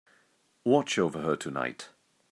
Watch over her tonight.